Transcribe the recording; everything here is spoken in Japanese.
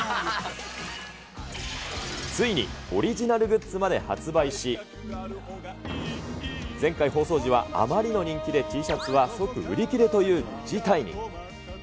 ついに、オリジナルグッズまで発売し、前回放送時はあまりの人気で、Ｔシャツは即売り切れという事態に。